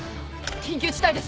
緊急事態です！